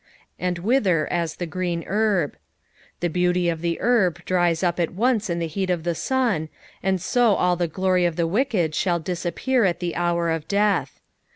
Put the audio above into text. " And wither as t' e grem ierb." The beauty of the herb dries up at once in the heat of the sun, and so alt the glory of the wicked shall disappear at the hour of death.